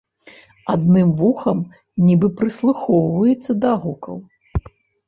Адным вухам нібы прыслухоўваецца да гукаў.